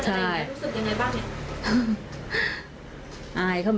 รู้สึกยังไงบ้าง